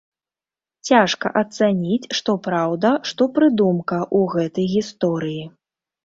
Цяжка ацаніць, што праўда, што прыдумка ў гэтай гісторыі.